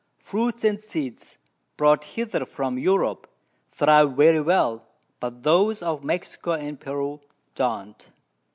Fruits and Seeds brought hither from Europe thrive very well, but those of Mexico and Peru don't.